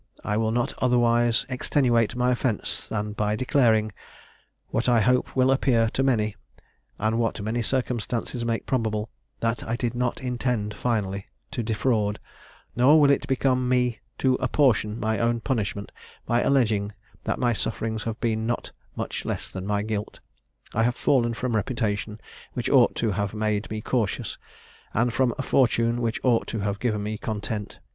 I will not otherwise extenuate my offence than by declaring, what I hope will appear to many, and what many circumstances make probable, that I did not intend finally to defraud: nor will it become me to apportion my own punishment, by alleging that my sufferings have been not much less than my guilt; I have fallen from reputation which ought to have made me cautious, and from a fortune which ought to have given me content.